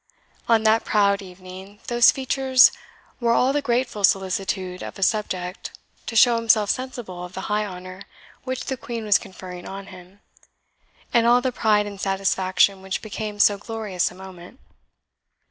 On that proud evening those features wore all the grateful solicitude of a subject, to show himself sensible of the high honour which the Queen was conferring on him, and all the pride and satisfaction which became so glorious a moment.